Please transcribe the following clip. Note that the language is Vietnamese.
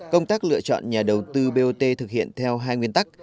công tác lựa chọn nhà đầu tư bot thực hiện theo hai nguyên tắc